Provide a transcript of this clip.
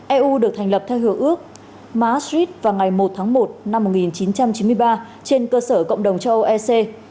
eu được thành lập theo hứa ước maastricht vào ngày một tháng một năm một nghìn chín trăm chín mươi ba trên cơ sở cộng đồng châu âu eu